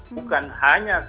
bukan hanya karena